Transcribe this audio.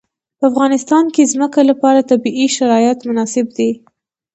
په افغانستان کې د ځمکه لپاره طبیعي شرایط مناسب دي.